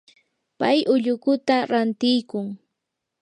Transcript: pay ullukuta rantiykun.